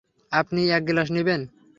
আপনি এক-গ্লাস নিবেন?